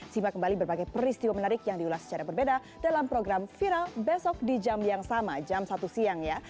simak kembali berbagai peristiwa menarik yang diulas secara berbeda dalam program viral besok di jam yang sama jam satu siang ya